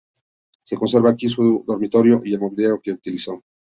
Se conserva aquí su dormitorio y el mobiliario que utilizó.